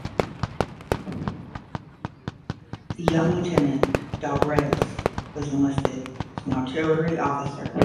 The young lieutenant Dobrev was enlisted as an artillery officer.